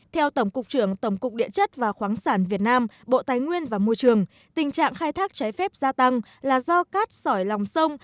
theo tổng cục trưởng tổng cục địa chất và khoáng sản việt nam bộ tài nguyên và môi trường tình trạng khai thác trái phép gia tăng là do cát sỏi lòng sông